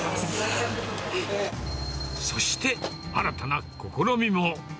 そして、新たな試みも。